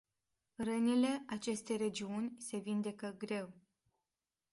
Rănile acestei regiuni se vindecă greu.